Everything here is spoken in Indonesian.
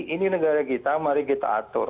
ini negara kita mari kita atur